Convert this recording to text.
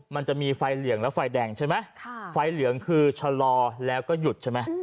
มันจะมีไฟเหลืองแล้วไฟแดงใช่ไหมไฟเหลืองคือชะลอแล้วก็หยุดใช่ไหม